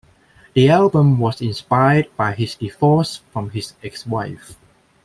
The album was inspired by his divorce from his ex-wife.